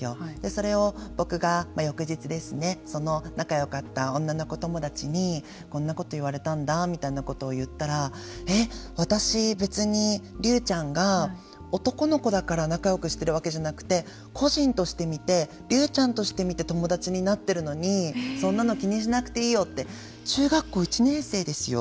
それを僕が翌日その仲よかった女の子友達にこんなこと言われたんだみたいなことを言ったらえっ、私、別にリュウちゃんが男の子だから仲よくしてるわけじゃなくて個人として見てリュウちゃんとして見て友達になってるのにそんなの気にしなくていいよって中学校１年生ですよ。